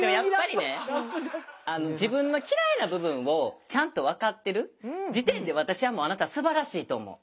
自分の嫌いな部分をちゃんと分かってる時点で私はもうあなたすばらしいと思う。